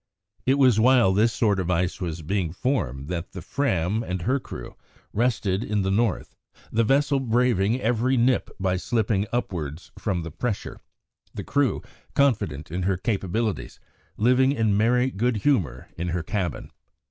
It was while this sort of ice was being formed that the Fram and her crew rested in the North, the vessel braving every nip by slipping upwards from the pressure; the crew, confident in her capabilities, living in merry good humour in her cabin.